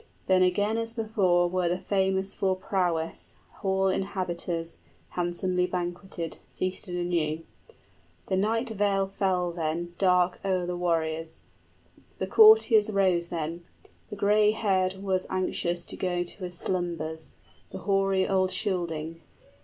Then again as before were the famous for prowess, Hall inhabiters, handsomely banqueted, Feasted anew. The night veil fell then 45 Dark o'er the warriors. The courtiers rose then; The gray haired was anxious to go to his slumbers, The hoary old Scylding.